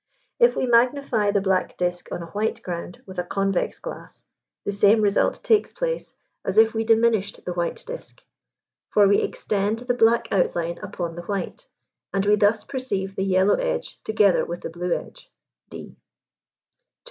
If we magnify the black disk on a white ground with a convex glass, the same result takes place as if we diminished the white disk; for we extend the black outline upon the white, and we thus perceive the yellow edge together with the blue edge (D). 201.